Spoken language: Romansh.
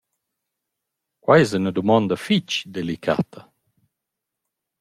Quai es üna dumanda fich delicata.